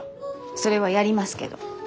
それはやりますけど。